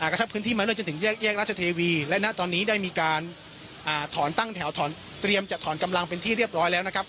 กระชับพื้นที่มาเรื่อยจนถึงแยกราชเทวีและณตอนนี้ได้มีการถอนตั้งแถวถอนเตรียมจะถอนกำลังเป็นที่เรียบร้อยแล้วนะครับ